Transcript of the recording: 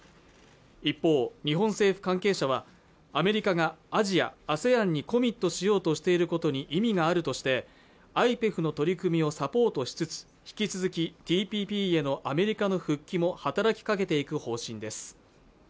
一方日本政府関係者はアメリカがアジアＡＳＥＡＮにコミットしようとしていることに意味があるとしてＩＰＥＦの取り組みをサポートしつつ引き続きＴＰＰへのアメリカの復帰も働きかけていく方針です